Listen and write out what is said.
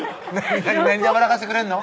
何で笑かしてくれんの？